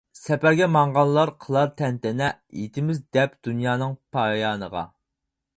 سەپەرگە ماڭغانلار قىلار تەنتەنە، يېتىمىز دەپ دۇنيانىڭ پايانىغا.